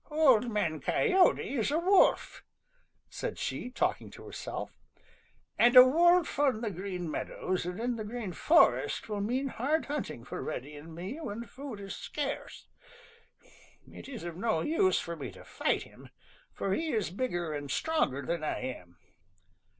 "Old Man Coyote is a wolf," said she, talking to herself, "and a wolf on the Green Meadows and in the Green Forest will mean hard hunting for Reddy and me when food is scarce. It is of no use for me to fight him, for he is bigger and stronger than I am.